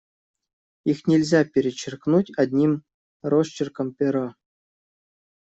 Их нельзя перечеркнуть одним росчерком пера.